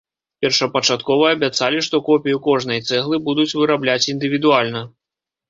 Першапачаткова абяцалі, што копію кожнай цэглы будуць вырабляць індывідуальна.